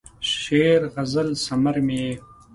شعر، غزل ثمر مې یې